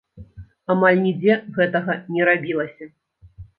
Амаль нідзе гэтага не рабілася.